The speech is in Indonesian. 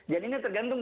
jadi ini tergantung